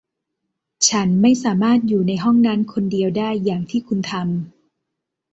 ฉันไม่สามารถอยู่ในห้องนั้นคนเดียวได้อย่างที่คุณทำ